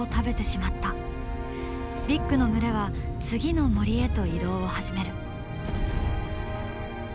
ビッグの群れは次の森へと移動を始める。